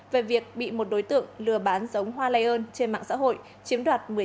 về việc bị một đối tượng lừa bán giống hoa lây ơn trên mạng xã hội chiếm đoạt một mươi sáu triệu